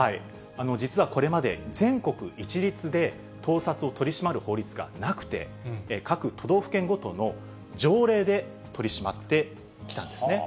実はこれまで、全国一律で盗撮を取り締まる法律がなくて、各都道府県ごとの条例で取り締まってきたんですね。